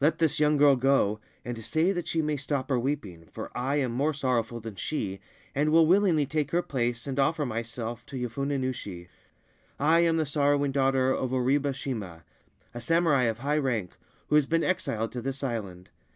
Let this young girl go, and say that she may stop her weeping, for I am more sorrowful than she, and will willingly take her place and offer myself to Yofune Nushi. I am the sorrowing daughter of Oribe Shima, a samurai of high rank, who has been exiled to this island.